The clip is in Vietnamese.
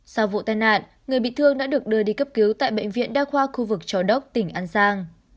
sau vụ tai nạn người bị thương đã được đưa đi cấp cứu tại bệnh viện đa khoa khu vực châu đốc tỉnh an giang